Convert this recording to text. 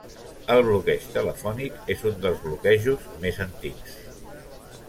El bloqueig telefònic és un dels bloquejos més antics.